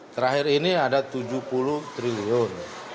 terakhir ini ada tujuh puluh triliun